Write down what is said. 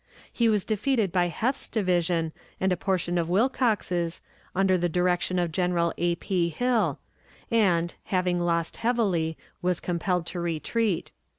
He was defeated by Heth's division and a portion of Wilcox's, under the direction of General A. P. Hill, and, having lost heavily, was compelled to retreat.